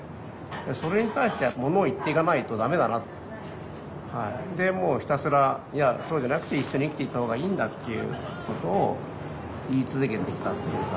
それに対してはものを言っていかないと駄目だなでもうひたすらいやそうじゃなくて一緒に生きていった方がいいんだということを言い続けてきたっていうか。